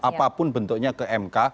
apapun bentuknya ke mk